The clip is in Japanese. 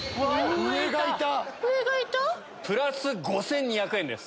上がいた⁉プラス５２００円です